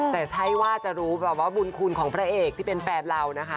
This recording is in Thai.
แต่ใช่ว่าจะรู้แบบว่าบุญคุณของพระเอกที่เป็นแฟนเรานะคะ